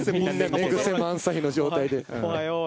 寝ぐせ満載の状態で。